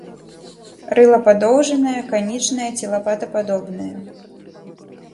Рыла падоўжанае, канічнае ці лапатападобнае.